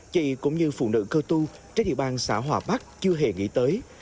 chị cũng như phụ nữ cơ tu trên địa bàn xã hòa bắc chưa hề nghĩ tới